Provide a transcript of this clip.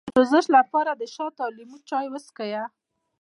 د ستوني د سوزش لپاره د شاتو او لیمو چای وڅښئ